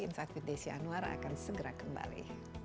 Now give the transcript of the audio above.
insight with desi anwar akan segera kembali